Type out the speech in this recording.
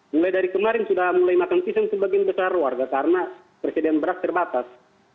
mulai dari kemarin sudah mulai makan pisang sebagian besar warga karena persediaan beras terbatas